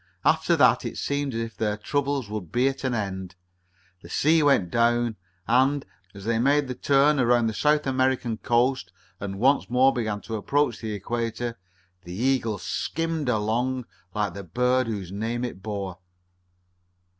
After that it seemed as if their troubles would be at an end. The sea went down, and, as they made the turn around the South American coast and once more began to approach the equator, the Eagle skimmed along like the bird whose name it bore.